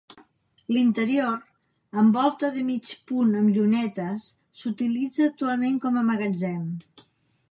L'interior, amb volta de mig punt amb llunetes, s'utilitza actualment com a magatzem.